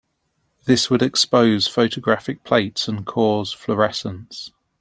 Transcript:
This would expose photographic plates and cause fluorescence.